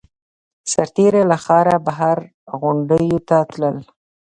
سرتېري له ښاره بهر غونډیو ته تلل.